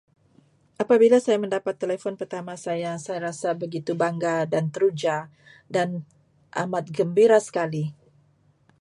Apabila saya mendapat telefon pertama saya, saya rasa begitu bangga dan teruja dan amat gembira sekali.